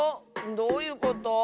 どういうこと？